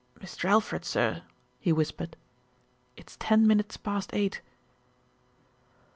"Mr. Alfred, sir," he whispered, "it's ten minutes past eight."